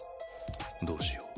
どうしよう。